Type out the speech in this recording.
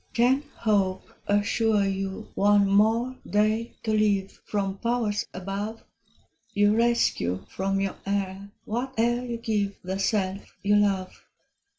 Can Hope assure you one more day to live From powers above? You rescue from your heir whate'er you give The self you love.